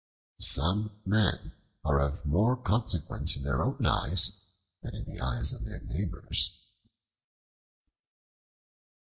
Some men are of more consequence in their own eyes than in the eyes of their neighbors.